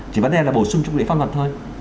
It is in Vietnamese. chỉ vấn đề là bổ sung trục lĩnh pháp luật thôi